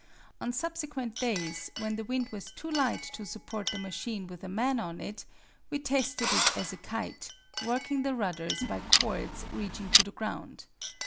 On subsequent days, when the wind was too light to support the machine with a man on it, we tested it as a kite, working the rudders by cords reaching to the ground.